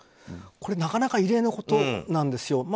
これ、なかなか異例のことなんですよ。